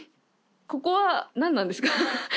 ここは何なんですか？